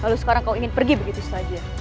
kalau sekarang kau ingin pergi begitu saja